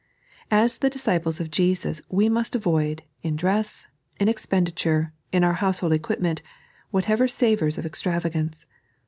As the disciples of Jesus, we must avoid, in dress, in expenditure, in our household equipment, whatever savours of extravagance.